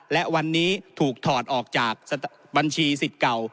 และวันนี้ถูกถอดออกจากบัญชีสิทธิ์เก่า